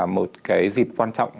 một cái dịp quan trọng